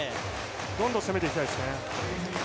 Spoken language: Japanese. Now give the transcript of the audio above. どんどん攻めていきたいですね。